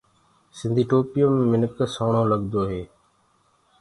سِنڌي ٽوپيو مي منک کُبسورت لگدو هي۔